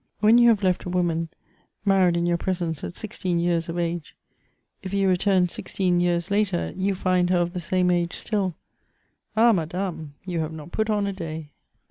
When you have left a woman, married in your presence at sixteen years of age, if you return sixteen years later, you find her of the same age still: "Ah, madame, you have not put on a day!"